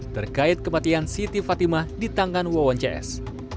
terkait kematian siti fatimah di tangan wawon cs